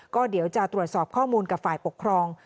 ก็เดี๋ยวจะตรวจสอบข้อมูลกับฝ่ายปกครอง